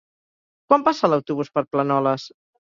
Quan passa l'autobús per Planoles?